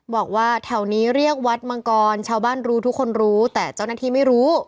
บอกว่าแถวนี้เรียกวัดมังกรชาวบ้านรู้ทุกคนรู้แต่เจ้าหน้าที่ไม่รู้